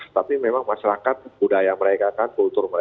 tapi memang masyarakat budaya mereka kan kultur mereka